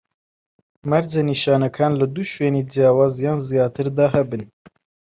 مەرجە نیشانەکان لە دوو شوێنی جیاواز یان زیاتر دا هەبن